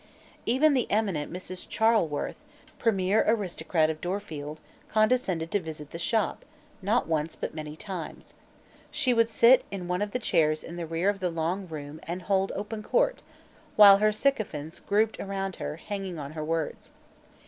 Even the eminent Mrs. Charleworth, premier aristocrat of Dorfield, condescended to visit the Shop, not once but many times. She would sit in one of the chairs in the rear of the long room and hold open court, while her sycophants grouped around her, hanging on her words.